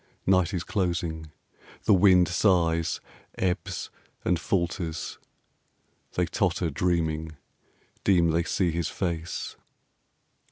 Night is closing. The wind sighs, ebbs, and falters.... They totter dreaming, deem they see his face.